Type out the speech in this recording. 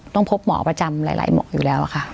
ต้องพบหมอประจำหลายหมออยู่แล้วค่ะ